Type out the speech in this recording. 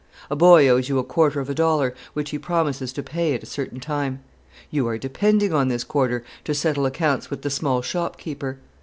A boy owes you a quarter of a dollar, which he promises to pay at a certain time. You are depending on this quarter to settle accounts with the small shop keeper.